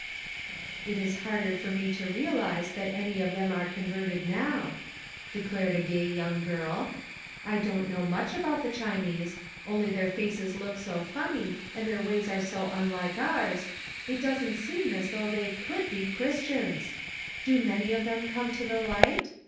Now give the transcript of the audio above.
" "It is harder for me to realize that any of them are converted now," declared a gay young girl ;" I don't know much about the Chinese, only their faces look so funny, and their ways are so unlike ours ; it doesn't, seem as though they could be Christians. Do many Then and Now. 491 of them come to the light?